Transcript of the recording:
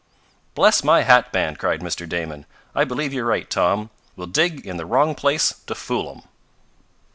"Bless my hatband!" cried Mr. Damon. "I believe you're right, Tom. We'll dig in the wrong place to fool 'em."